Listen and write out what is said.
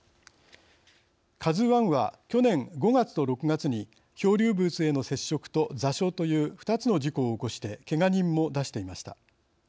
ＫＡＺＵＩは、去年５月と６月に漂流物への接触と座礁という２つの事故を起こしてけが人も出していました。